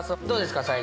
どうですか？